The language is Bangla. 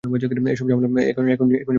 এসব ঝামেলা এখনই মেটা যাক, বিশু।